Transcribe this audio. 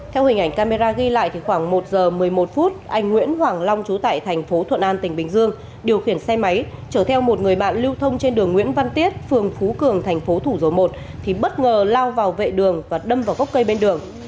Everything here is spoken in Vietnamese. theo hình ảnh camera ghi lại khoảng một giờ một mươi một phút anh nguyễn hoàng long trú tại thành phố thuận an tỉnh bình dương điều khiển xe máy chở theo một người bạn lưu thông trên đường nguyễn văn tiết phường phú cường thành phố thủ dầu một thì bất ngờ lao vào vệ đường và đâm vào gốc cây bên đường